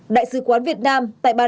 đại sứ quán việt nam tại slovakia